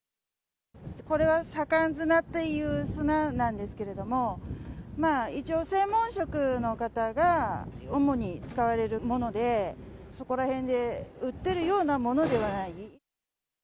これは左官砂っていう砂なんですけれども、一応、専門職の方が主に使われるもので、そこら辺で売ってるようなものではない。